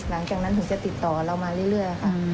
หลังจากนั้นถึงจะติดต่อเรามาเรื่อยค่ะ